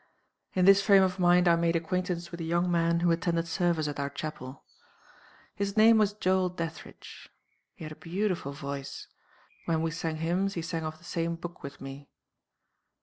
"In this frame of mind I made acquaintance with a young man who attended service at our chapel. "His name was Joel Dethridge. He had a beautiful voice. When we sang hymns, he sang off the same book with me.